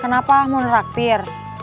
kenapa mau neraktir